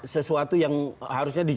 sesuatu yang harusnya